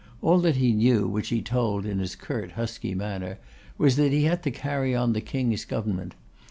All that he knew, which he told in his curt, husky manner, was, that he had to carry on the King's government.